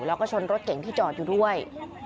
แล้วก็ชนรถเก่งที่จอดอยู่ด้วย